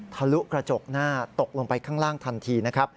ทะลุกระจกหน้าตกลงไปข้างล่างทันทีนะครับ